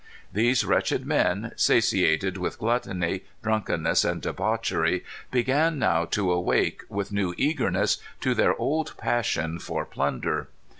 These wretched men, satiated with gluttony, drunkenness, and debauchery, began now to awake, with new eagerness, to their old passion for plunder.